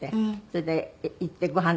それで行ってご飯